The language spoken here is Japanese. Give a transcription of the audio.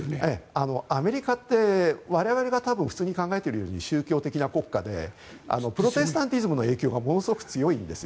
アメリカって我々が多分、普通に考えているより宗教的な国家でプロテスタンティズムの影響がものすごく強いんです。